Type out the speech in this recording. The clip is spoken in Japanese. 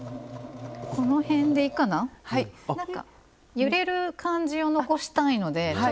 揺れる感じを残したいのでちょっと。